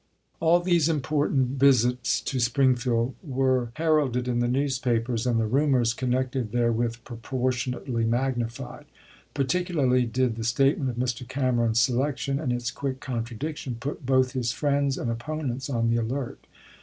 All these important visits to Springfield were her alded in the newspapers, and the rumors connected therewith proportionately magnified. Particularly did the statement of Mr. Cameron's selection, and its quick contradiction, put both his friends and opponents on the alert.